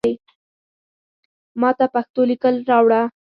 ماته پښتو لیکل اوکړه